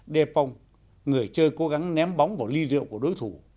depong người chơi cố gắng ném bóng vào ly rượu của đối thủ